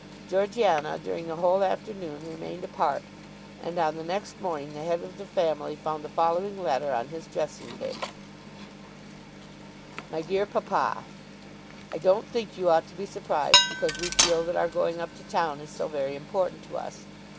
Georgiana during the whole afternoon remained apart, and on the next morning the head of the family found the following letter on his dressing table; MY DEAR PAPA, I don't think you ought to be surprised because we feel that our going up to town is so very important to us.